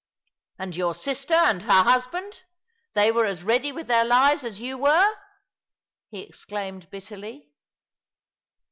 \" And yonr sister and her hnsband ? They were as ready with their lies as yon were," he exclaimed bitterly.